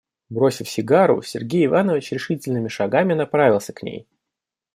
Бросив сигару, Сергей Иванович решительными шагами направился к ней.